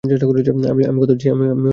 আমি কথা দিচ্ছি আমি ফিরে আসব।